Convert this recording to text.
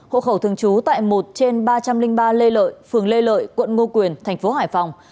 hộ khẩu thường trú tại một trên ba trăm linh ba lê lợi phường lê lợi quận ngô quyền thành phố hải phòng